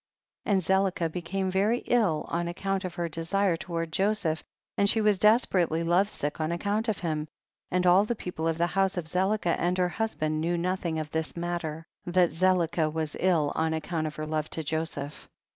36. And Zelicah became very ill on account of her desire toward Jo seph, and she was desperately love sick on account of him, and all the people of the house of Zelicah and her husband knew nothing of this matter, that Zelicah was ill on ac count of her love to Joseph.